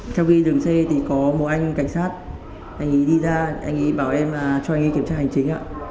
trong khi dừng xe thì có một anh cảnh sát anh ấy đi ra anh ấy bảo em cho anh ấy kiểm tra hành chính ạ